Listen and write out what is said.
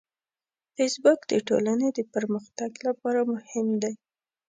فېسبوک د ټولنې د پرمختګ لپاره مهم دی